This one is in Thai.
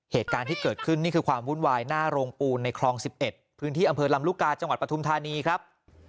เหตุการณ์ที่เกิดขึ้นนี่คือความวุ่นวายหน้าโรงปูนในคลอง๑๑พื้นที่อำเภอลำลูกกาจังหวัดปฐุมธานีครับ